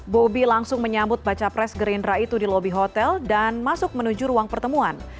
bobi langsung menyambut baca pres gerindra itu di lobi hotel dan masuk menuju ruang pertemuan